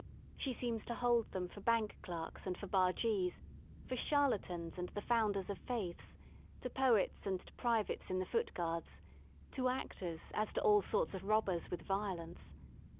She seems to hold them for bank clerks and for bargees, for charlatans and the Founders of Faiths, to poets and to privates in the Foot Guards, to actors as to a! I sorts of robbers with violence.